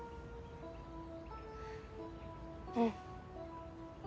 うん。